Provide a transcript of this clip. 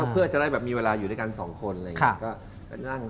เพื่อจะได้แบบมีเวลาอยู่ด้วยกันสองคนอะไรอย่างนี้